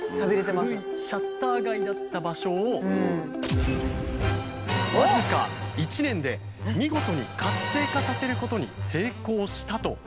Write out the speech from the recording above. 古いシャッター街だった場所を僅か１年で見事に活性化させることに成功したというんです。